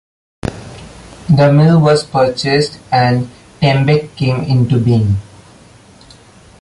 The mill was purchased and Tembec came into being.